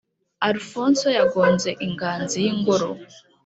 alphonso yagonze ingazi y'ingoro.